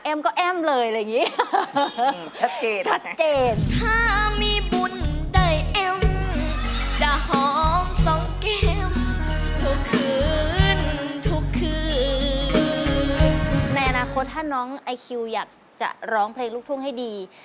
เออสลิดขนาด